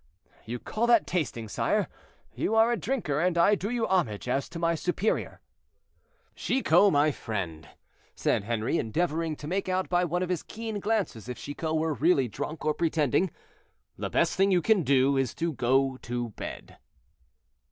"You call that tasting, sire? You are a drinker, and I do you homage, as to my superior." "Chicot, my friend," said Henri, endeavoring to make out by one of his keen glances if Chicot were really drunk or pretending, "the best thing you can do is to go to bed."